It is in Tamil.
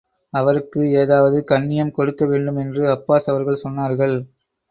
அவருக்கு ஏதாவது கண்ணியம் கொடுக்க வேண்டும் என்று அப்பாஸ் அவர்கள் சொன்னார்கள்.